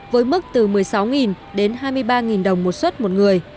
với mức từ một mươi sáu đến hai mươi ba đồng một xuất một người